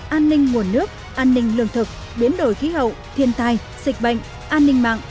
an ninh nguồn nước an ninh lương thực biến đổi khí hậu thiên tai dịch bệnh an ninh mạng